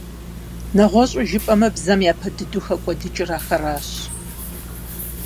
Нэгъуэщӏу жыпӏэмэ, бзэм япэ дыдэ хэкӏуэдыкӏыр ахэращ.